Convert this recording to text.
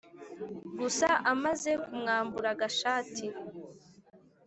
gusa amaze kumwambura agashati